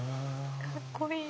かっこいい。